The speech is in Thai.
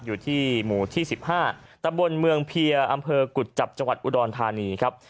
อยู่ที่หมู่ที่๑๕ตะบนเมืองเพียร์อำเภอกุจจับจังหวัดอุดรธานีครับ